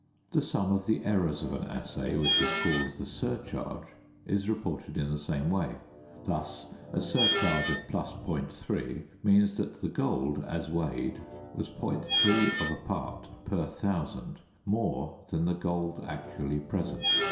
The sum of the errors of an assay, which is called the surcharge, is reported in the same way. Thus a surcharge of + .3 means that the gold as weighed was .3 part per 1000 more than the gold actually present.